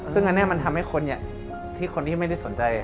ซึ่งอันนี้มันทำให้คนที่ไม่ได้สนใจ